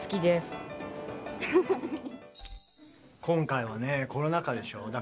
今回はねコロナ禍でしょ。